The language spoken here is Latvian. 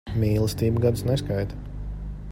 Mīlestība gadus neskaita.